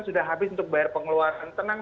sudah habis untuk bayar pengeluaran tenang